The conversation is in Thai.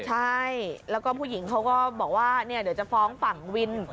ใช่แล้วก็ผู้หญิงเขาก็บอกว่าเดี๋ยวจะฟ้องฝั่งวิน